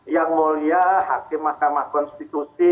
yang mulia hakim mahkamah konstitusi